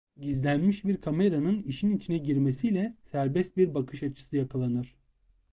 Gizlenmiş bir kameranın işin içine girmesiyle serbest bir bakış açısı yakalanır.